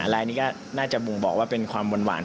ลายนี้ก็น่าจะบ่งบอกว่าเป็นความหวาน